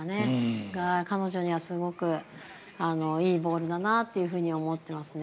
それが彼女にはすごくいいボールだなと思っていますね。